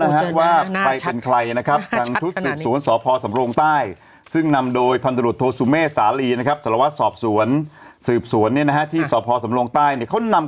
ฮ่าฮ่าฮ่าฮ่าฮ่าฮ่าฮ่า